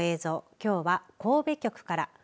きょうは神戸局から。